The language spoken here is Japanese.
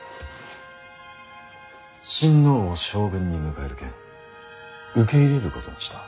親王を将軍に迎える件受け入れることにした。